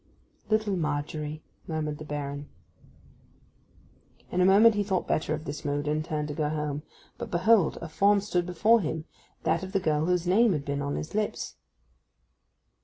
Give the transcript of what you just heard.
'Little Margery!' murmured the Baron. In a moment he thought better of this mood, and turned to go home. But behold, a form stood behind him—that of the girl whose name had been on his lips.